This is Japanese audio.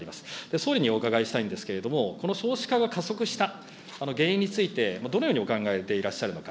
総理にお伺いしたいんですけれども、この少子化が加速した原因について、どのように考えていらっしゃるのか。